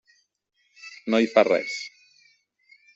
No hi fa res.